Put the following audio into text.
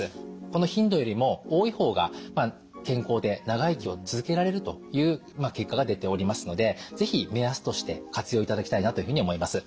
この頻度よりも多い方が健康で長生きを続けられるという結果が出ておりますので是非目安として活用いただきたいなというふうに思います。